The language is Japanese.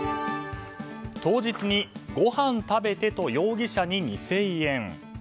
当日にごはん食べてと容疑者に２０００円。